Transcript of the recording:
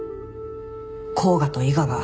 甲賀と伊賀が。